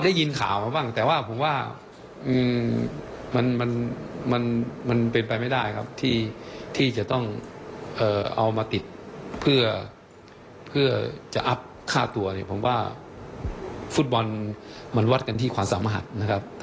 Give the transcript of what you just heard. ได้ยินข่าวมาบ้างแต่ว่าผมว่ามันเป็นไปไม่ได้ครับที่จะต้องเอามาติดเพื่อจะอัพค่าตัวเนี่ยผมว่าฟุตบอลมันวัดกันที่ความสามารถนะครับ